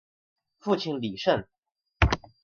父亲李晟。